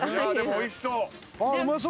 おいしそう！